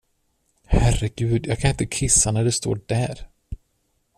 Herregud, jag kan inte kissa när du står där.